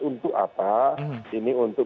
untuk apa ini untuk